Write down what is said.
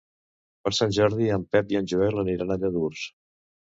Per Sant Jordi en Pep i en Joel aniran a Lladurs.